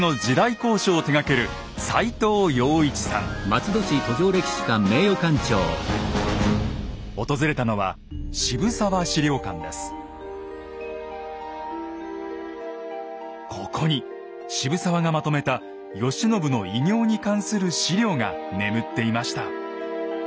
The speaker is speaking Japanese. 考証を手がける訪れたのはここに渋沢がまとめた慶喜の偉業に関する史料が眠っていました。